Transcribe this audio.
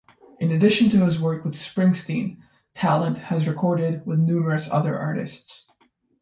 In addition to his work with Springsteen, Tallent has recorded with numerous other artists.